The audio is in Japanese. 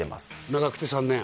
長くて３年？